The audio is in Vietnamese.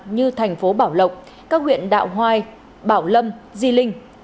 như thành phố bảo lộng các huyện đạo hoài bảo lâm di linh